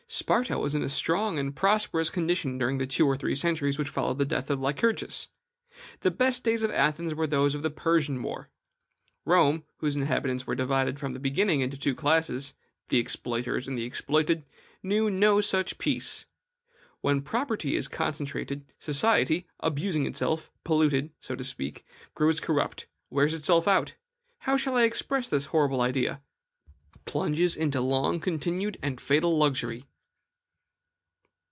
Sparta was in a strong and prosperous condition during the two or three centuries which followed the death of Lycurgus. The best days of Athens were those of the Persian war; Rome, whose inhabitants were divided from the beginning into two classes, the exploiters and the exploited, knew no such thing as peace. When property is concentrated, society, abusing itself, polluted, so to speak, grows corrupt, wears itself out how shall I express this horrible idea? plunges into long continued and fatal luxury.